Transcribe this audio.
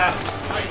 はい。